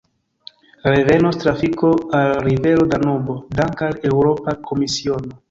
Revenos trafiko al rivero Danubo danke al Eŭropa Komisiono.